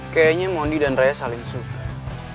kayaknya mondi dan raya saling syukur